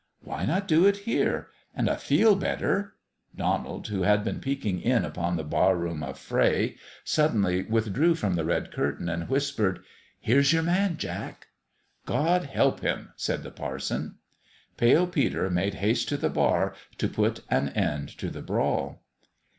Why not do it here ? And I feel better " Donald, who had been peeking in upon the barroom affray, suddenly withdrew from the red curtain, and whispered :" Here's your man, Jack !"" God help him I " said the parson. Pale Peter made haste to the bar to put an end to the brawl.